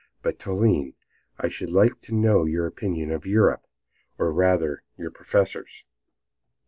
But, Toline, I should like to know your opinion of Europe, or rather your professor's."